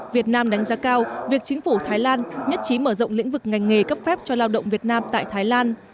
việt nam đánh giá cao việc chính phủ thái lan nhất trí mở rộng lĩnh vực ngành nghề cấp phép cho lao động việt nam tại thái lan